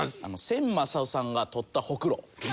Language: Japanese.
千昌夫さんが取ったホクロ。